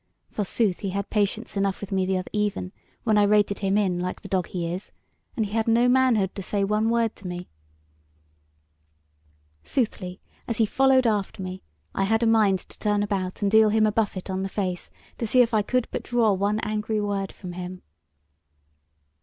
Forsooth, he had patience enough with me the other even, when I rated him in, like the dog that he is, and he had no manhood to say one word to me. Soothly, as he followed after me, I had a mind to turn about and deal him a buffet on the face, to see if I could but draw one angry word from him."